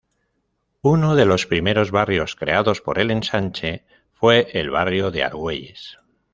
Uno de los primeros barrios creados por el Ensanche fue el barrio de Argüelles.